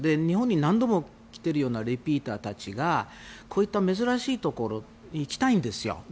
日本に何度も来ているようなリピーターたちがこういった珍しいところに行きたいんですよ。